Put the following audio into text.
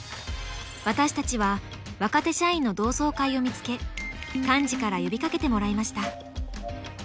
私たちは若手社員の同窓会を見つけ幹事から呼びかけてもらいました。